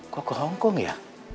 kok ke hongkong ya